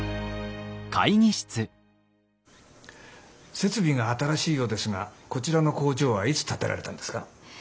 設備が新しいようですがこちらの工場はいつ建てられたんですか？